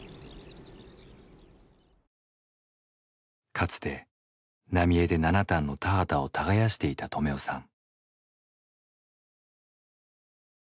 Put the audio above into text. かつて浪江で７反の田畑を耕していた止男さん。